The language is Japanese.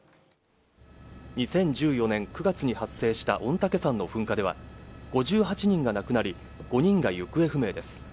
２０１４年９月に発生した御嶽山の噴火では、５８人が亡くなり、５人が行方不明です。